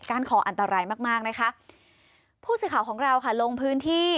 คออันตรายมากมากนะคะผู้สื่อข่าวของเราค่ะลงพื้นที่